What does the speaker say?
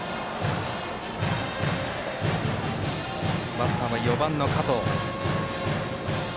バッターは４番、加藤。